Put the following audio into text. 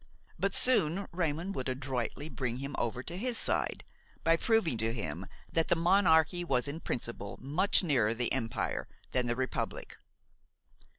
But soon Raymon would adroitly bring him over to his side by proving to him that the monarchy was in principle much nearer the Empire than the Republic.